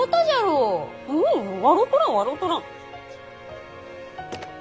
ううん笑うとらん笑うとらん。